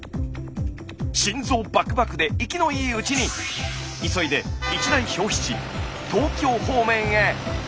心臓バクバクで生きのいいうちに急いで一大消費地東京方面へ。